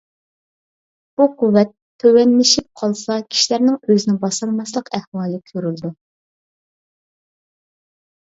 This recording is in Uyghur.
بۇ قۇۋۋەت تۆۋەنلىشىپ قالسا كىشىلەرنىڭ ئۆزىنى باسالماسلىق ئەھۋالى كۆرۈلىدۇ.